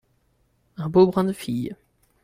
Un beau brin de fille.